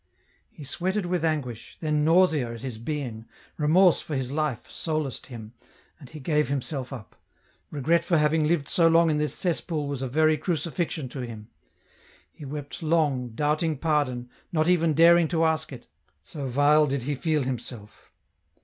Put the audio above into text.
He sweated with anguish, then nausea at his being, remorse for his life solaced him, and he gave himself up ; regret for having lived so long in this cesspool was a very crucifixion to him ; he wept long, doubting pardon, not even daring to ask it, so vile did he feel himself.